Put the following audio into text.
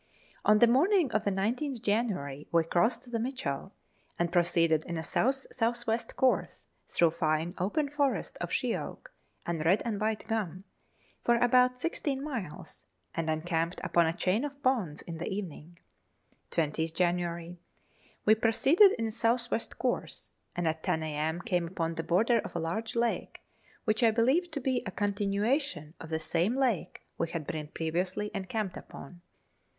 On the morning of the 1 9th January we crossed the Mitchell, and proceeded in a south south west course, through fine open forest of she oak and red and white gum, for about sixteen miles, and encamped upon a chain of ponds in the evening. 20th January. We proceeded in a south west course, and at ten a.m. came upon the border of a large lake, which I believed to be a continuation of the same lake we had been previously encamped upon.